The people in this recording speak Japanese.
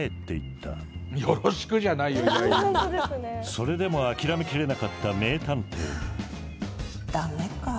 それでも諦めきれなかった名探偵。